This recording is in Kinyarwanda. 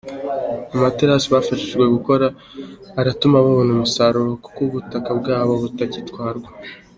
Amaterasi bafashijwe gukora aratuma babona umusaruro kuko ubutaka bwabo butagitwarwa.